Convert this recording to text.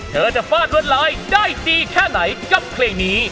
เธอจะฟาดรวดลายได้ดีแค่ไหนกับเพลงนี้